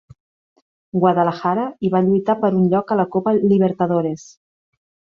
Guadalajara i va lluitar per un lloc a la Copa Libertadores.